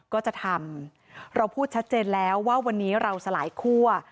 ก็จะทำเราพูดชัดเจนแล้วว่าวันนี้เราสลายคั่ว